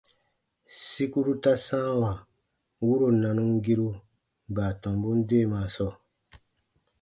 Sikuru ta sãawa wuro nanumgiru baatɔmbun deemaa sɔɔ.